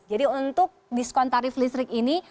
jadi untuk diskon tarif listrik ini